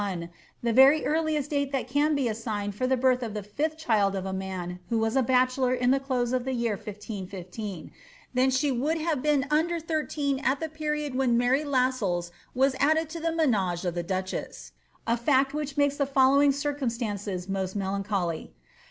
haTe been l>orn in 1921, the very earliest date that can be aaaifiied for the birth of the Jifth child of a man who was a bachelor in the close of the year 1515, then would she have been under thirteen at the penod when Mary Lassells was added to the tminage of the duchess, a hei which makes the following circumstances most melancholy.